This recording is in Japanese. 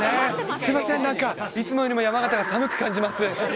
すみません、なんか、いつもよりも山形が寒く感じます。